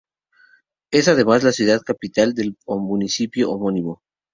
Es además la ciudad capital del municipio homónimo.